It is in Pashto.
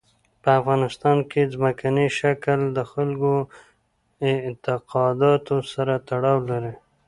په افغانستان کې ځمکنی شکل د خلکو اعتقاداتو سره تړاو لري.